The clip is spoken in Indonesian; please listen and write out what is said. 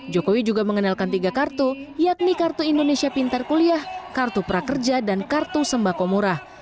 jokowi juga mengenalkan tiga kartu yakni kartu indonesia pintar kuliah kartu prakerja dan kartu sembako murah